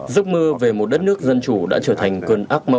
giấc mơ về một đất nước dân chủ đã trở thành cơn ác mộng